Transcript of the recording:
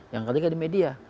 yang ketiga di media